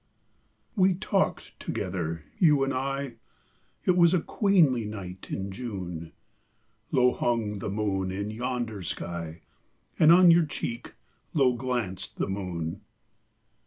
We talked together, you and I ; It was a queenly night in June : Low hung the moon in yonder sky, And on your cheek low glanced the moon.